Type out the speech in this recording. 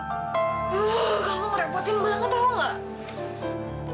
uh kamu ngerepotin banget tahu nggak